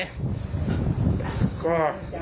ก็คุณผู้ชมจะได้รู้